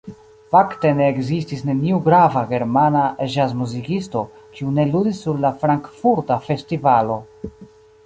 Fakte ne ekzistis neniu grava germana ĵazmuzikisto, kiu ne ludis sur la frankfurta festivalo.